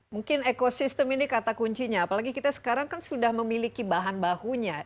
mungkin ekosistem ini kata kuncinya apalagi kita sekarang kan sudah memiliki bahan bakunya